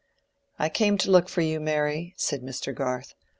"I came to look for you, Mary," said Mr. Garth.